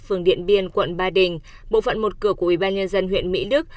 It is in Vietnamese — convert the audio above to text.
phường điện biên quận ba đình bộ phận một cửa của ủy ban nhân dân huyện mỹ đức